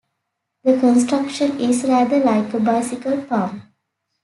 The construction is rather like a bicycle pump.